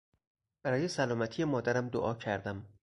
برای سلامتی مادرم دعا کردم.